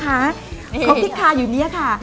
เขาพลิกทานอยู่เนี้ยค่ะ